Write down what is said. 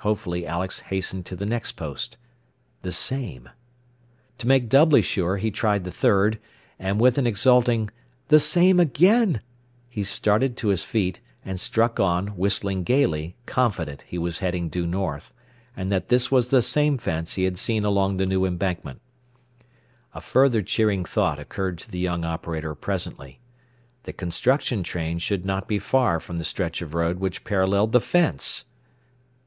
Hopefully Alex hastened to the next post. The same! To make doubly sure, he tried the third, and with an exulting, "The same again!" started to his feet, and struck on, whistling gaily, confident he was heading due north, and that this was the same fence he had seen along the new embankment. A further cheering thought occurred to the young operator presently. The construction train should not be far from the stretch of road which paralleled the fence!